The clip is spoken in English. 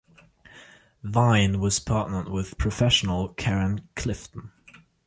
Vine was partnered with professional, Karen Clifton.